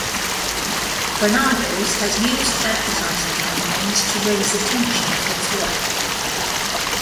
Barnardo's has used advertising campaigns to raise attention for its work.